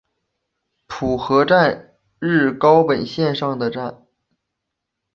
浦河站日高本线上的站。